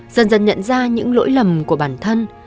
dần dần nhận ra những lỗi lầm của bản thân